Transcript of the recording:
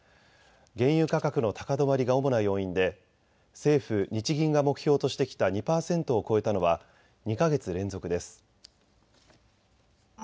原油価格の高止まりが主な要因で政府、日銀が目標としてきた２％を超えたのは２か月連続です。